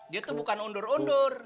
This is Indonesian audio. dia tuh bukan undur undur